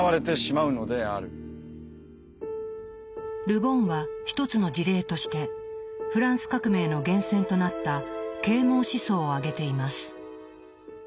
ル・ボンは一つの事例としてフランス革命の源泉となった「啓蒙思想」を挙げています。